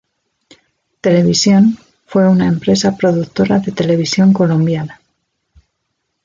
Televisión, fue una empresa productora de televisión colombiana.